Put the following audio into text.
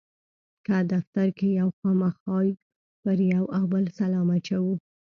که دفتر کې یو خامخا پر یو او بل سلام اچوو.